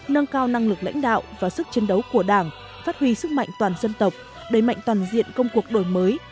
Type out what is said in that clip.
nâng cao năng lực lãnh đạo và sức chiến đấu của đảng phát huy sức mạnh toàn dân tộc đẩy mạnh toàn diện công cuộc đổi mới